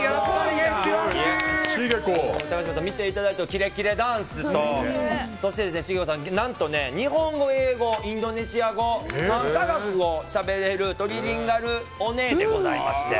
見ていただいたキレキレダンスと、そして何と日本語、英語インドネシア語３か国語を話せるトリリンガルオネエでして。